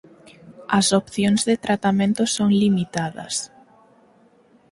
As opcións de tratamento son limitadas.